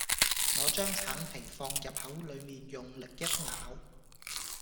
我將橙皮放入口裏面用力一咬